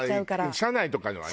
社内とかのはね。